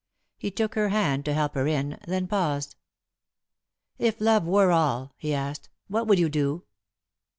He took her hand to help her in, then paused. "If love were all," he asked, "what would you do?"